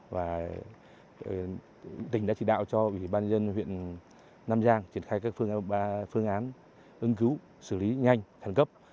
và tỉnh đã chỉ đạo cho ủy ban dân huyện nam giang triển khai các phương án ứng cứu xử lý nhanh thần cấp